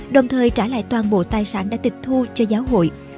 đồng thời trả lại toàn bộ tài sản đã tịch thu cho giáo hội